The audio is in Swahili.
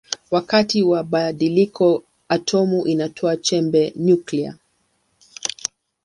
Wakati wa badiliko atomi inatoa chembe nyuklia.